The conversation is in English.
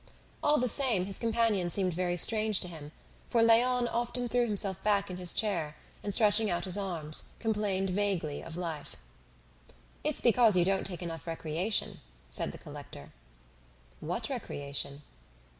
All the same, his companion seemed very strange to him, for Léon often threw himself back in his chair, and stretching out his arms, complained vaguely of life. "It's because you don't take enough recreation," said the collector. "What recreation?"